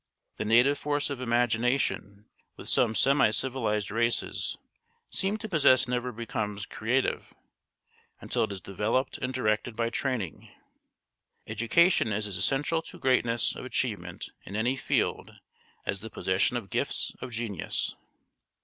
The native force of imagination which some semi civilised races seem to possess never becomes creative until it is developed and directed by training. Education is as essential to greatness of achievement in any field as the possession of gifts of genius.